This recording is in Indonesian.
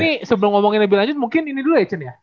ini ini sebelum ngomongin lebih lanjut mungkin ini dulu ya cen ya